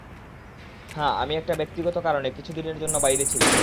হ্যাঁ, আমি একটা ব্যক্তিগত কারণে কিছুদিনের জন্য বাইরে ছিলাম।